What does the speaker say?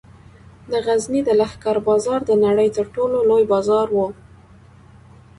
د غزني د لښکر بازار د نړۍ تر ټولو لوی بازار و